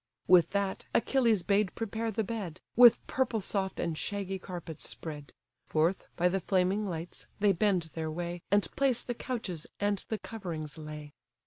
With that, Achilles bade prepare the bed, With purple soft and shaggy carpets spread; Forth, by the flaming lights, they bend their way, And place the couches, and the coverings lay.